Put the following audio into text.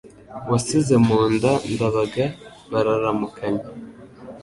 wasize mu nda Ndabaga Bararamukanya